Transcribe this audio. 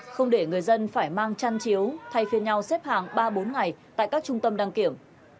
không để người dân phải mang chăn chiếu thay phiên nhau xếp hàng ba bốn ngày tại các trung tâm đăng kiểm